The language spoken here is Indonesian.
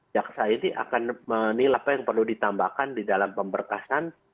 jaksa ini akan menilai apa yang perlu ditambahkan di dalam pemberkasan